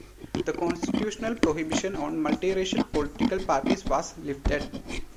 The constitutional prohibition on multiracial political parties was lifted.